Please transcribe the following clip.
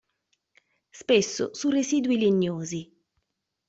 Spesso su residui legnosi.